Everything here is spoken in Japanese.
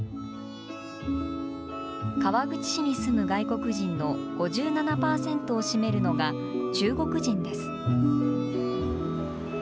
川口市に住む外国人の５７％を占めるのが、中国人です。